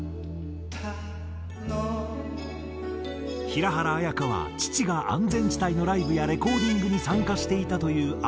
平原綾香は父が安全地帯のライブやレコーディングに参加していたという間柄もあり。